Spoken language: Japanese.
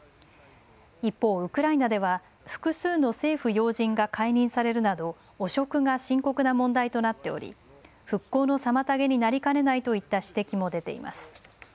一方、ウクライナでは複数の政府要人が解任されるなど汚職が深刻な問題となっており復興の妨げになりかねないといった指摘も出ています。